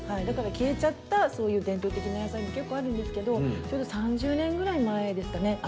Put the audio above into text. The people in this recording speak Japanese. だから消えちゃったそういう伝統的な野菜も結構あるんですけど３０年ぐらい前ですかね